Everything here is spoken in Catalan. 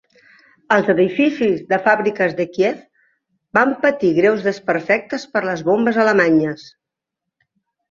Els edificis de fàbriques de Kíev van patir greus desperfectes per les bombes alemanyes.